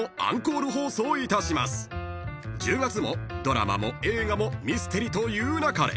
［１０月もドラマも映画も『ミステリと言う勿れ』］